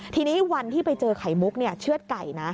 ทีนี้วันที่ไปเจอไข่มุกเชือดไก่นะ